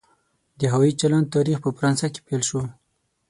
د هوایي چلند تاریخ په فرانسه کې پیل شو.